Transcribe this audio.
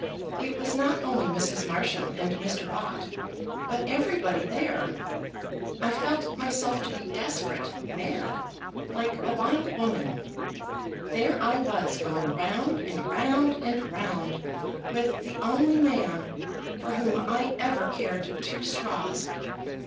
It was not only Mrs. Marsham and Mr. Bott, but everybody there. I felt myself to be desperate, mad, like a wild woman. There I was, going round and round and round with the only man for whom I ever cared two straws.